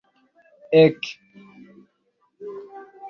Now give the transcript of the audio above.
ek